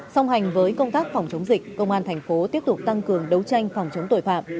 song hành với công tác phòng chống dịch công an thành phố tiếp tục tăng cường đấu tranh phòng chống tội phạm